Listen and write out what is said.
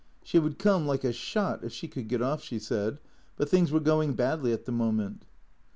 She would come like a shot, if she could get off, she said, but things were going badly at the moment.